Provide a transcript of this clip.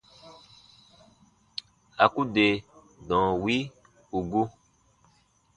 A ku de dɔ̃ɔ wi ù gu.